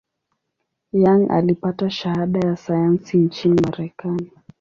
Young alipata shahada ya sayansi nchini Marekani.